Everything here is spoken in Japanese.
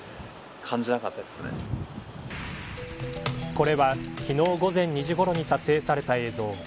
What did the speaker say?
これは昨日午前２時ごろに撮影された映像。